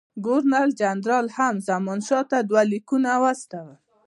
ګورنر جنرال هم زمانشاه ته دوه لیکونه واستول.